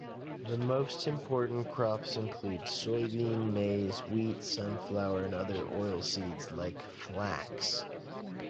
The most important crops include soybean, maize, wheat, sunflower and other oilseeds, like flax.